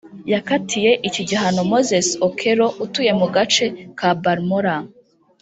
yakatiye iki gihano Moses Okello utuye mu gace ka Barmola